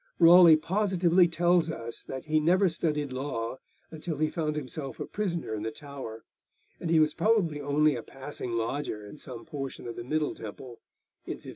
Raleigh positively tells us that he never studied law until he found himself a prisoner in the Tower, and he was probably only a passing lodger in some portion of the Middle Temple in 1576.